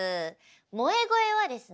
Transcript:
萌え声はですね